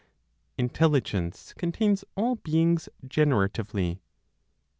INTELLIGENCE CONTAINS ALL BEINGS GENERATIVELY.